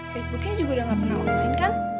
facebooknya juga udah gak pernah online kan